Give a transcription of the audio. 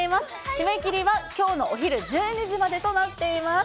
締め切りはきょうのお昼１２時までとなっています。